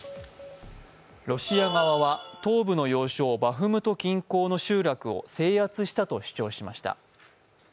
ロシア側は東部の要衝バフムト近郊の集落を制圧したと主張しました。